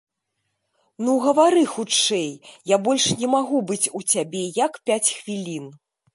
Ну гавары хутчэй, я больш не магу быць у цябе як пяць хвілін.